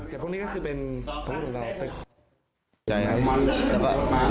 แต่พวกนี้ก็คือเป็นตำรวจของเรา